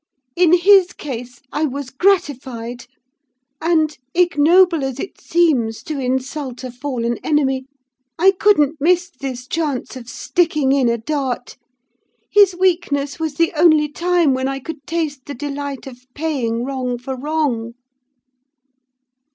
In his case, I was gratified; and, ignoble as it seems to insult a fallen enemy, I couldn't miss this chance of sticking in a dart: his weakness was the only time when I could taste the delight of paying wrong for wrong."